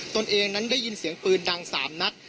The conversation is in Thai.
ตนเองนั้นได้ยินเสียงปืนดัง๓นัด